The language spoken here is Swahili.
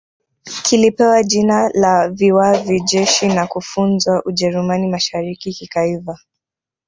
Kilipewa jina la Viwavi Jeshi na kufunzwa Ujerumani Mashariki kikaiva